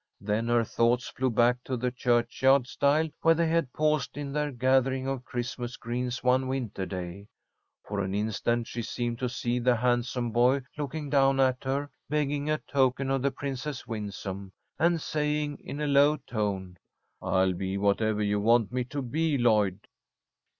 Then her thoughts flew back to the churchyard stile where they had paused in their gathering of Christmas greens one winter day. For an instant she seemed to see the handsome boy looking down at her, begging a token of the Princess Winsome, and saying, in a low tone, "I'll be whatever you want me to be, Lloyd."